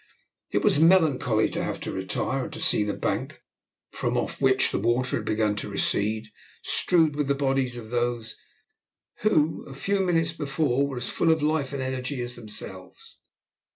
It was melancholy to have to retire, and to see the bank, from off which the water had begun to recede, strewed with the bodies of those who a few minutes before were as full of life and energy as themselves.